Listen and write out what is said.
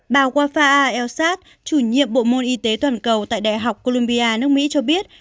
bà wafaa elsat chủ nhiệm bộ môn y tế toàn cầu tại đại học columbia nước mỹ cho biết